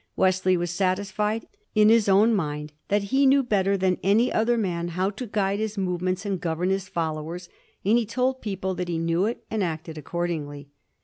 Wesley was satisfied in his own mind that he knew better than any other man how to guide his movements and govern his followers, and he told people that he knew it, and acted accordingly.